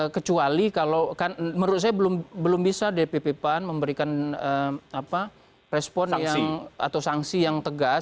kecuali kalau kan menurut saya belum bisa dpp pan memberikan respon atau sanksi yang tegas